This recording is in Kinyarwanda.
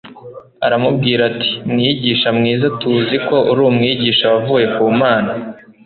aramubwira ati: "Mwigisha mwiza, tuzi ko uri Umwigisha wavuye ku Mana,